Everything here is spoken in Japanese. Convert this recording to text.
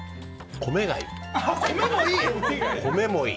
米もいい。